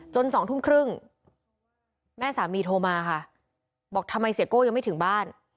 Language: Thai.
สองทุ่มครึ่งแม่สามีโทรมาค่ะบอกทำไมเสียโก้ยังไม่ถึงบ้าน